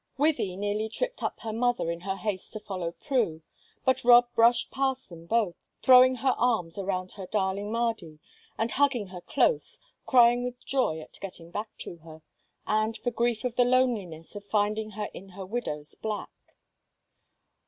Wythie nearly tripped up her mother in her haste to follow Prue, but Rob brushed past them both, throwing her arms around her darling Mardy, and hugging her close, crying with joy at getting back to her, and for grief of the loneliness of finding her in her widow's black.